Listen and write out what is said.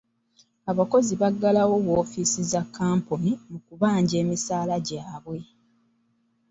Abakozi baggalawo woofiisi za kkampuni mu kubanja emisaala gyabwe.